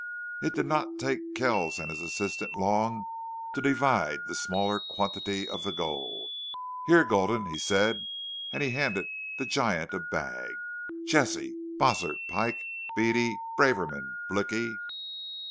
It did not take Kells and his assistant long to divide the smaller quantity of the gold. "Here, Gulden," he said, and handed the giant a bag. Jesse.... Bossert.... Pike.... Beady.... Braverman... "Blicky."